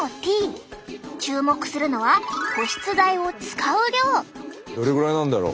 注目するのはどれぐらいなんだろう。